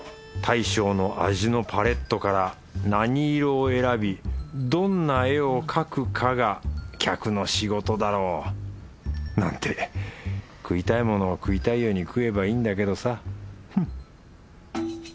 大将の味のパレットから何色を選びどんな絵を描くかが客の仕事だろう。なんて食いたいものを食いたいように食えばいいんだけどさフッ。